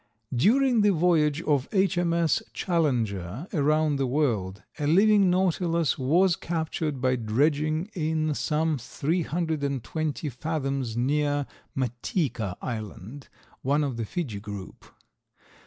During the voyage of H. M. S. Challenger around the world, a living Nautilus was captured by dredging in some three hundred and twenty fathoms near Mateeka Island, one of the Fiji group.